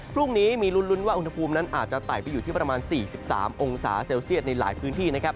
พรุ่งนี้มีลุ้นว่าอุณหภูมินั้นอาจจะไต่ไปอยู่ที่ประมาณ๔๓องศาเซลเซียตในหลายพื้นที่นะครับ